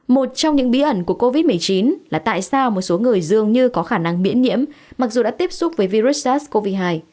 một trong những bí ẩn của covid một mươi chín là tại sao một số người dường như có khả năng miễn nhiễm mặc dù đã tiếp xúc với virus sars cov hai